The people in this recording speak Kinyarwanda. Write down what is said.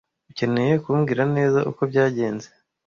Ukeneye ku mbwira neza uko byagenze.